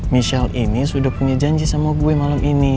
michelle ini sudah punya janji sama gue malam ini